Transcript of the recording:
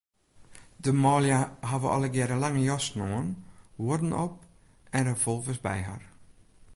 De manlju hawwe allegearre lange jassen oan, huodden op en revolvers by har.